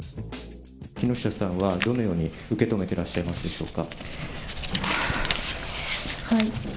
木下さんはどのように受け止めてらっしゃいますでしょうか。